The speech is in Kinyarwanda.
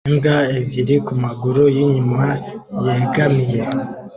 Imbwa ebyiri kumaguru yinyuma yegamiye